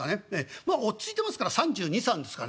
まあ落ち着いてますから３２３３ですかね？